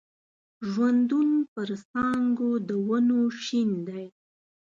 ژوندون پر څانګو د ونو شین دی